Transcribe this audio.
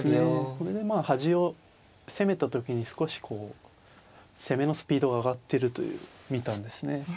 これでまあ端を攻めた時に少し攻めのスピードが上がってるという見たんですね。